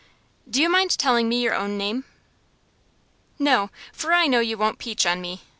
"Do you mind telling me your own name?" "No; for I know you won't peach on me.